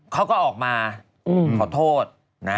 เขาก็ออกมาขอโทษนะ